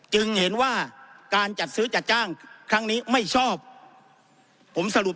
จึงเห็นว่าการจัดซื้อจัดจ้างครั้งนี้ไม่ชอบผมสรุป